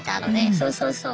そうそうそう。